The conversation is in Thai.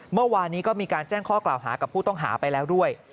เมื่อวานนี้ก็มีการแจ้งข้อกล่าวหากับผู้ต้องหาไปแล้วด้วย